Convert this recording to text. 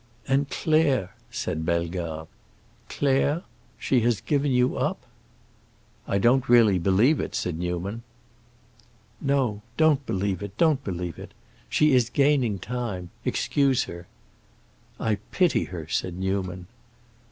"And Claire,"—said Bellegarde,—"Claire? She has given you up?" "I don't really believe it," said Newman. "No. Don't believe it, don't believe it. She is gaining time; excuse her." "I pity her!" said Newman.